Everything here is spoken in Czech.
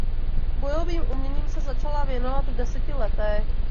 Bojovým uměním se začala věnovat v deseti letech.